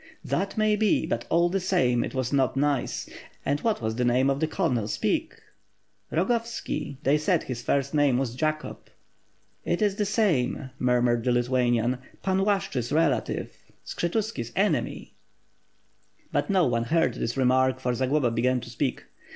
"That may be, but all the same, it was not nice. And what was the name of that colonel, speak." "Rogovski, they said his first name was Jacob." "It is the same," murmured the Lithuanian, Pan Lashch's relative, Skshetuski's enemy." But no one heard this remark, for Zagloba began to speak.